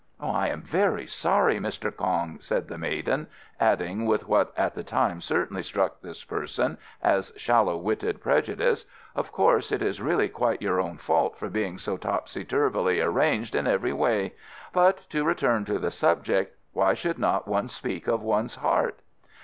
"I am very sorry, Mr. Kong," said the maiden, adding, with what at the time certainly struck this person as shallow witted prejudice. "Of course it is really quite your own fault for being so tospy turvily arranged in every way. But, to return to the subject, why should not one speak of one's heart?"